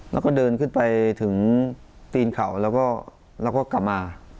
แล้วก็เดินขึ้นไปถึงตีนเขาแล้วก็กลับมา